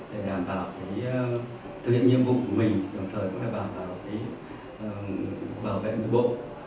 để đảm bảo thực hiện nhiệm vụ của mình đồng thời cũng đảm bảo bảo vệ bộ